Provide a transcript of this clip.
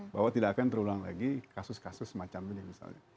bahwa tidak akan terulang lagi kasus kasus semacam ini misalnya